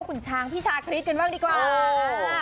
คุณช้างพี่ชาคริสกันบ้างดีกว่า